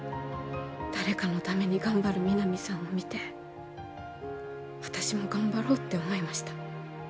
誰かのために頑張る皆実さんを見て私も頑張ろうって思いました